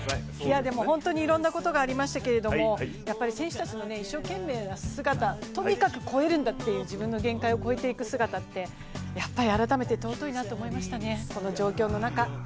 でも本当にいろんなことがありましたけれども、選手たちの一生懸命な姿、とにかく超えるんだっていう、自分の限界を超えていく姿ってやっぱり改めて尊いなと思いましたね、この状況の中。